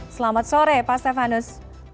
selamat sore pak stefanus